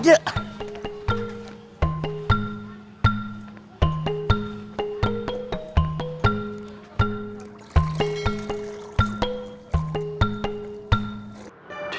dia punya ide